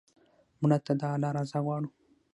مړه ته د الله رضا غواړو